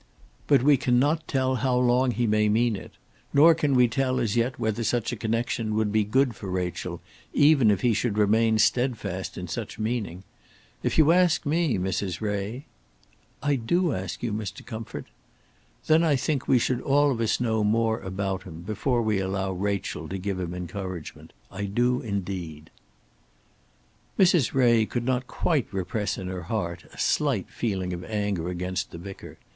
"But we cannot tell how long he may mean it; nor can we tell as yet whether such a connection would be good for Rachel, even if he should remain stedfast in such meaning. If you ask me, Mrs. Ray " "I do ask you, Mr. Comfort." "Then I think we should all of us know more about him, before we allow Rachel to give him encouragement; I do indeed." Mrs. Ray could not quite repress in her heart a slight feeling of anger against the vicar.